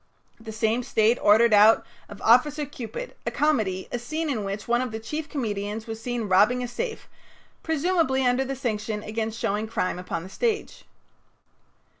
The same State ordered out of "Officer Cupid," a comedy, a scene in which one of the chief comedians was seen robbing a safe, presumably under the section against showing crime upon the stage.